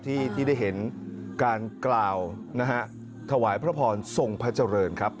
ที่ได้เห็นการกล่าวนะฮะถวายพระพรทรงพระเจริญครับ